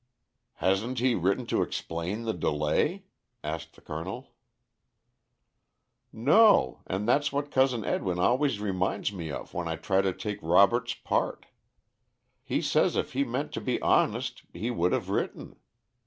"Hasn't he written to explain the delay?" asked the Colonel. "No; and that's what Cousin Edwin always reminds me of when I try to take Robert's part. He says if he meant to be honest he would have written.